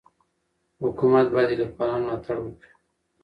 حکومت باید د لیکوالانو ملاتړ وکړي.